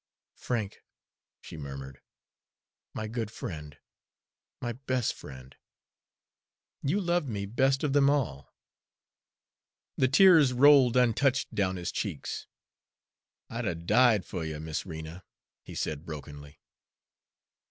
"Frank," she murmured, "my good friend my best friend you loved me best of them all." The tears rolled untouched down his cheeks. "I'd 'a' died, fer you, Miss Rena," he said brokenly.